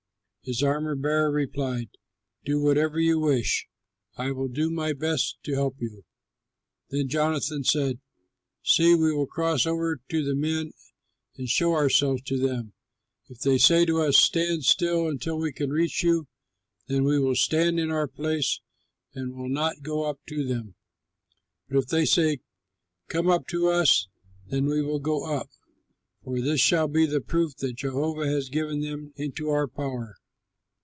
His armor bearer replied, "Do whatever you wish, I will do my best to help you." Then Jonathan said, "See, we will cross over to the men and show ourselves to them. If they say to us, 'Stand still until we can reach you,' then we will stand still in our place, and will not go up to them. But if they say, 'Come up to us,' then we will go up; for this shall be the proof that Jehovah has given them into our power."